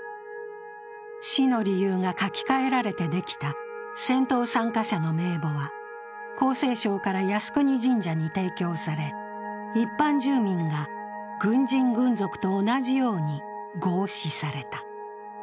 死の理由が書き換えられてできた戦闘参加者の名簿は厚生省から靖国神社に提供され、一般住民が、軍人・軍属と同じように合祀された。